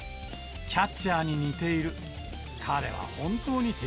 キャッチャーに似ている。